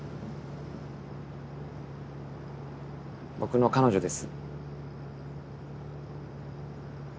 僕の彼女です。